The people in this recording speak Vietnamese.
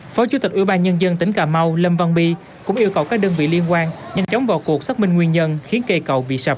phó chủ tịch ủy ban nhân dân tỉnh cà mau lâm văn bi cũng yêu cầu các đơn vị liên quan nhanh chóng vào cuộc xác minh nguyên nhân khiến cây cầu bị sập